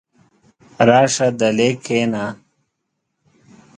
راشه دلې کښېنه!